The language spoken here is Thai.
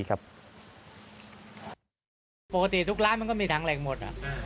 ปกติทุกร้านมันก็มีถังแหล่งหมด